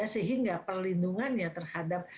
sehingga perlindungannya terhadap